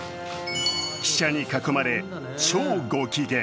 記者に囲まれ超ご機嫌。